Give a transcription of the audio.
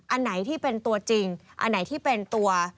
อันไหนที่เป็นตัวจริงอันไหนที่เป็นตัว